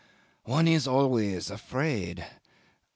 "One is always afraid.